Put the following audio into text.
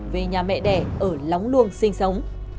về nhà mẹ đẻ ở lóng luông sinh sống